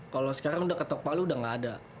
kalo sekarang udah ke tok palu udah enggak ada